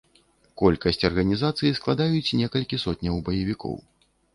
Колькасць арганізацыі складаюць некалькі сотняў баевікоў.